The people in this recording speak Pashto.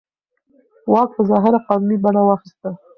واک په ظاهره قانوني بڼه واخیسته.